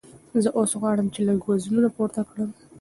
زه اوس غواړم چې لږ وزنونه پورته کړم.